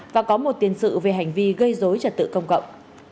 và có một tiền sự về hành vi gây dối trật tự công cộng